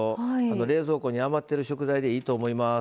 冷蔵庫に余ってる食材でいいと思います。